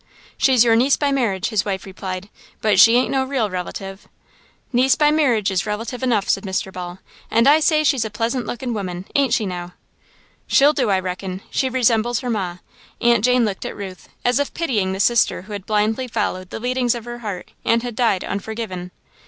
"She's your niece by marriage," his wife replied, "but she ain't no real relative." "Niece by merriage is relative enough," said Mr.Ball, "and I say she's a pleasant lookin' woman, ain't she, now?" "She'll do, I reckon. She resembles her Ma." Aunt Jane looked at Ruth, as if pitying the sister who had blindly followed the leadings of her heart and had died unforgiven.